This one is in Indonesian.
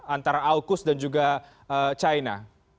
antara aukus dan juga china